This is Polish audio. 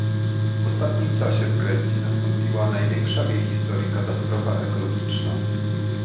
W ostatnim czasie w Grecji nastąpiła największa w jej historii katastrofa ekologiczna